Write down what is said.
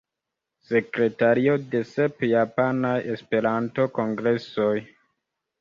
Sekretario de sep Japanaj Esperanto-kongresoj.